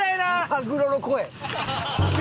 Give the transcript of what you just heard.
マグロの声。